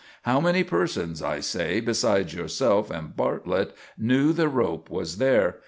How many persons, I say, besides yourself and Bartlett, knew the rope was there?